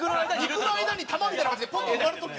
肉の間に玉みたいな感じでポンッて止まる時が。